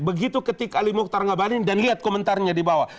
begitu ketik ali muhtar ngabalin dan lihat komentarnya di bawah